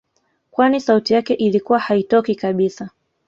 Kwani sauti yake ilikuwa haitokii kabisa